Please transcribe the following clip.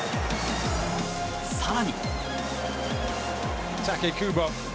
更に。